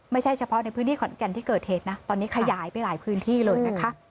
ไม่ใช่เฉพาะในพื้นที่ขอนแก่นที่เกิดเหตุนะตอนนี้ขยายไปหลายพื้นที่เลยนะคะ